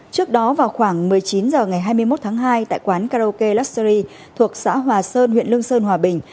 trước đó vào khoảng một mươi chín h ngày hai mươi một tháng hai tại quán karaoke luxury thuộc xã hòa sơn huyện lương sơn hòa bình